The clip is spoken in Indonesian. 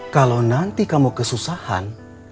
kalau nanti kamu kesusahan